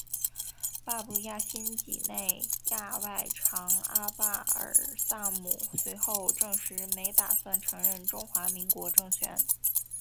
巴布亚新几内亚外长阿巴尔萨姆随后证实没打算承认中华民国政权。